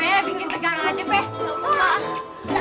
p bikin tegaran aja peh